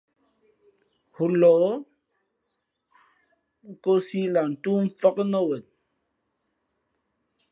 Hulǒh nkōsī lah ntóó fāk nά wen.